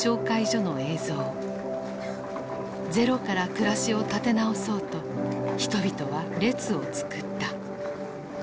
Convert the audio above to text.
ゼロから暮らしを立て直そうと人々は列を作った。